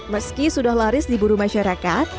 meski sudah laris di buru masyarakat